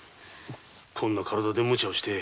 こんな体でむちゃな事を。